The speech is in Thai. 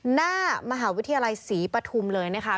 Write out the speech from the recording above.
หน้ามหาวิทยาลัยศรีปฐุมเลยนะคะ